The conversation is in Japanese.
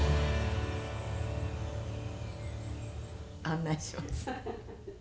案内します。